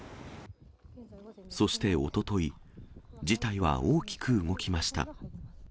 そして、おととい、事態は大きく動きました。